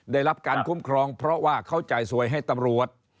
ได้รับการคุ้มครองเพราะว่าเขาจ่ายสวยให้ตำรวจ